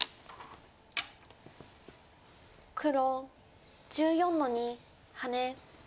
黒１４の二ハネ。